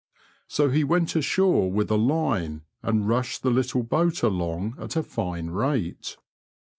So he went ashore with a line, and rushed the little boat along at a fine rate.